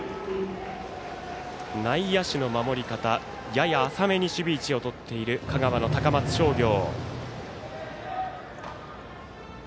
内野手の守り方やや浅めに守備位置を取っている香川、高松商業。